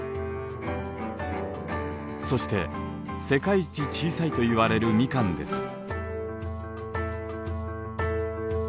そして世界一小さいといわれるミカンです。